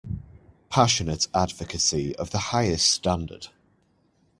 Passionate advocacy of the highest standard.